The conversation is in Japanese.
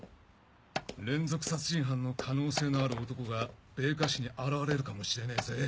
連続殺人犯の可能性のある男が米花市に現れるかもしれねえぜ。